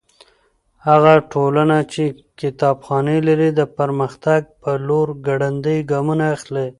هغه ټولنه چې کتابخانې لري د پرمختګ په لور ګړندي ګامونه اخلي.